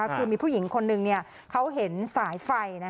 คือมีผู้หญิงคนหนึ่งเขาเห็นสายไฟ